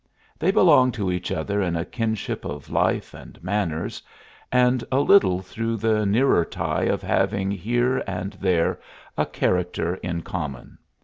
They belong to each other in a kinship of life and manners, and a little through the nearer tie of having here and there a character in common.